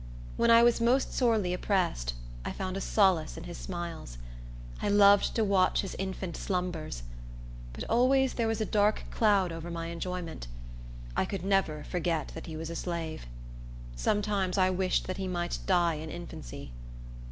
When I was most sorely oppressed I found a solace in his smiles. I loved to watch his infant slumbers; but always there was a dark cloud over my enjoyment. I could never forget that he was a slave. Sometimes I wished that he might die in infancy.